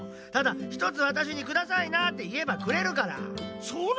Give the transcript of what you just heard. ただ「１つわたしにくださいな」っていえばくれるから。